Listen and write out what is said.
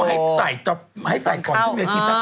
อันนี้เขาให้ใส่กล่องที่เมืองที่สักเดียว